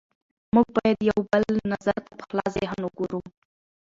موږ باید د یو بل نظر ته په خلاص ذهن وګورو